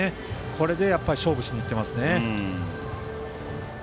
これで勝負しに行っていますね。